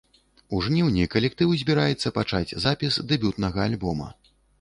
У жніўні калектыў збіраецца пачаць запіс дэбютнага альбома.